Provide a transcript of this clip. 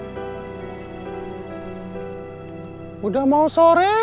sudah mau sore